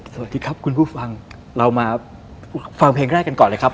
สวัสดีครับคุณผู้ฟังเรามาฟังเพลงแรกกันก่อนเลยครับ